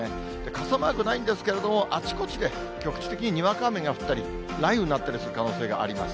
傘マークないんですけれども、あちこちで局地的ににわか雨が降ったり、雷雨になったりする可能性があります。